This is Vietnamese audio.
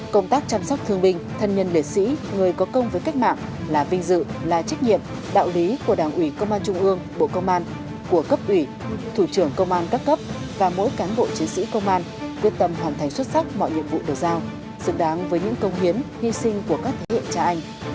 công tác chăm sóc thương binh thân nhân liệt sĩ người có công với cách mạng là vinh dự là trách nhiệm đạo lý của đảng ủy công an trung ương bộ công an của cấp ủy thủ trưởng công an các cấp và mỗi cán bộ chiến sĩ công an quyết tâm hoàn thành xuất sắc mọi nhiệm vụ được giao xứng đáng với những công hiến hy sinh của các thế hệ cha anh